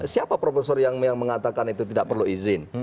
siapa profesor yang mengatakan itu tidak perlu izin